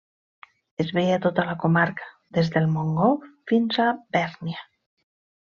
Es veia tota la comarca, des del Montgó fins a Bèrnia.